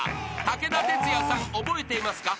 ［武田鉄矢さん覚えていますか？］